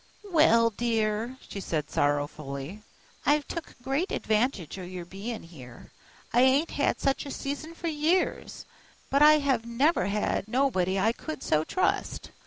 "Well, dear," she said sorrowfully, "I've took great advantage o' your bein' here. I ain't had such a season for years, but I have never had nobody I could so trust.